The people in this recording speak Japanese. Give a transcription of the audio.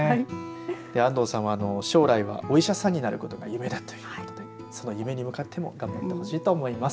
安藤さんは将来はお医者さんになることが夢だということでその夢に向かっても頑張ってほしいと思います。